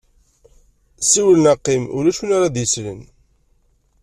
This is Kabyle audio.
Siwel neɣ qim, ulac win ara d-yeslen.